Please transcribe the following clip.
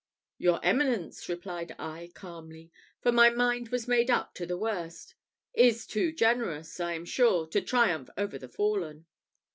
"Your Eminence," replied I, calmly for my mind was made up to the worst "is too generous, I am sure, to triumph over the fallen."